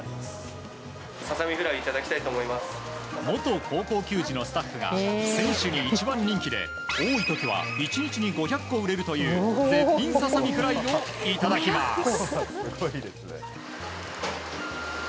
元高校球児のスタッフが選手に一番人気で、多い時は１日に５００個売れるという絶品ササミフライをいただきます。